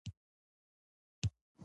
ایا روغتیا مو خوښیږي؟